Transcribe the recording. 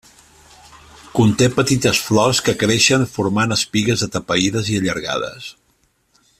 Conté petites flors que creixen formant espigues atapeïdes i allargades.